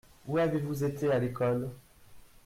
Où avez-vous été à l’école ?